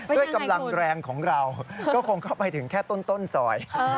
ด้วยกำลังแรงของเราก็คงเข้าไปถึงแค่ต้นซอย